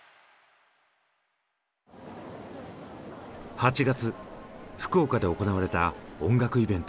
８月福岡で行われた音楽イベント。